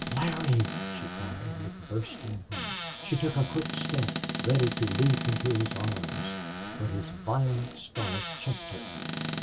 "Larry!" she cried, with bursting heart. She took a quick step, ready to leap into his arms, but his violent start checked her.